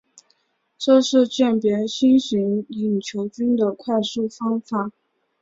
这是鉴别新型隐球菌的快速方法。